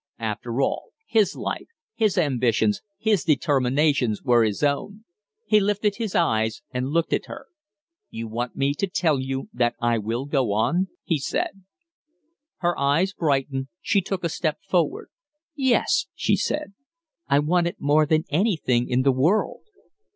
After all, his life, his ambitions, his determinations, were his own. He lifted his eyes and looked at her. "You want me to tell you that I will go on?" he said. Her eyes brightened; she took a step forward. "Yes," she said, "I want it more than anything in the world."